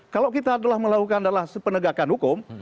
kalau kita adalah melakukan adalah penegakan hukum